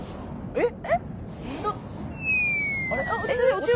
えっ⁉